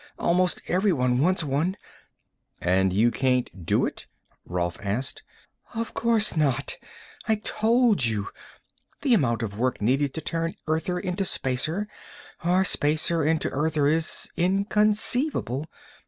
Almost everyone wants one." "And you can't do it?" Rolf asked. "Of course not. I've told you: the amount of work needed to turn Earther into Spacer or Spacer into Earther is inconceivable.